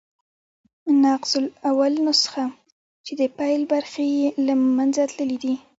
ناقص الاول نسخه، چي د پيل برخي ئې له منځه تللي يي.